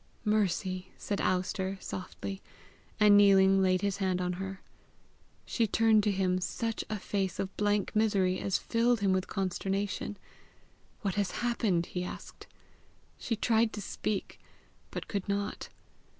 "Mercy," said Alister softly, and kneeling laid his hand on her. She turned to him such a face of blank misery as filled him with consternation. "What has happened?" he asked. She tried to speak, but could not.